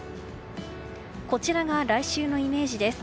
こちらが来週のイメージです。